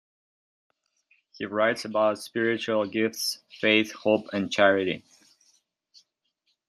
He writes about spiritual gifts, faith, hope and charity.